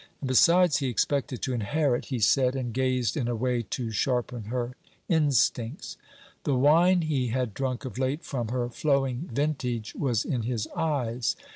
And besides, he expected to inherit, he said, and gazed in a way to sharpen her instincts. The wine he had drunk of late from her flowing vintage was in his eyes.